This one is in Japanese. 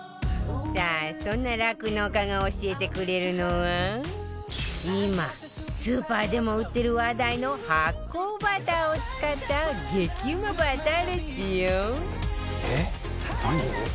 さあそんな酪農家が教えてくれるのは今スーパーでも売ってる話題の発酵バターを使った激うまバターレシピよ